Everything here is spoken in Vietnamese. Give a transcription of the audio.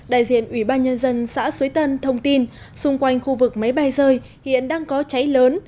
đại diện ủy ban nhân dân xã suối tân thông tin xung quanh khu vực máy bay rơi hiện đang có cháy lớn